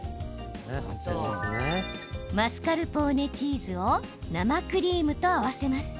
マスカルポーネチーズを生クリームと合わせます。